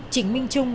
trịnh minh trung